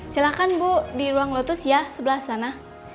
silahkan bu di ruang lotus ya sebelah sana